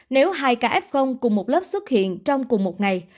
nếu hai kf cùng một lớp xuất hiện trong cùng một ngày